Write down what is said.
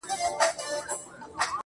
ولي دي يو انسان ته دوه زړونه ور وتراشله.